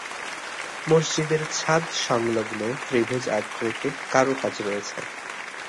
মসজিদের ছাদ সংলগ্ন ত্রিভুজ আকৃতির কারুকাজ রয়েছে।